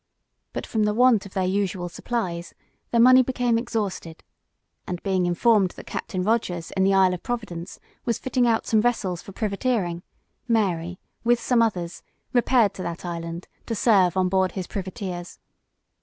But from the want of their usual supplies, their money became exhausted; and being informed that Captain Rogers, in the island of Providence, was fitting out some vessels for privateering, Mary, with some others, repaired to that island to serve on board his privateers.